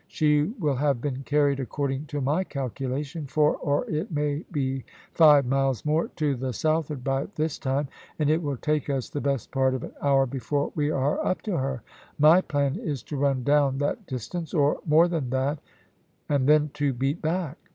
"She will have been carried according to my calculation, four or it may be five miles more to the southward by this time, and it will take us the best part of an hour before we are up to her. My plan is to run down that distance, or more than that, and then to beat back.